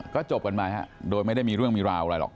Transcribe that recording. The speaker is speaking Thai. ก็จบกันไปโดยไม่ได้มีเรื่องมีราวอะไรหรอก